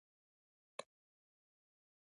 وروسته د ډوډۍ خوړلو اروپايي طرز غلبه وکړه.